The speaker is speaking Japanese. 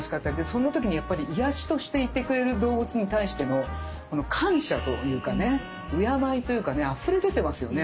そんな時にやっぱり癒やしとしていてくれる動物に対しての感謝というかね敬いというかねあふれ出てますよね